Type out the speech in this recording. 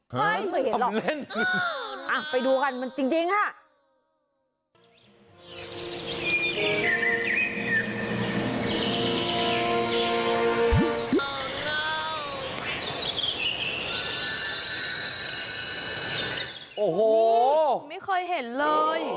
ไม่เคยเห็นหรอกไปดูกันจริงค่ะโอ้โหไม่เคยเห็นเลย